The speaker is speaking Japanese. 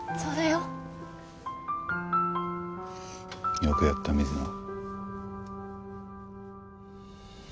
よくやった水野。